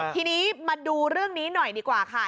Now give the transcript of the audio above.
ทีนี้มาดูเรื่องนี้หน่อยดีกว่าค่ะ